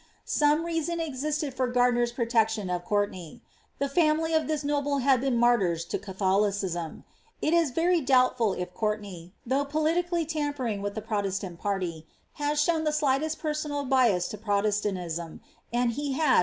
Some reason existed for Gartlincr^s protection of Courtenay. The family of this noble had been martyrs to Catholicism ; it is very doubt ful if Courtenay, though politically tampering with the Protestant psrtVi had shown the slightest personal bias to Protestantism* and he had.